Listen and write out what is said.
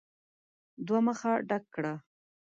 دوه مخه ډک کړه !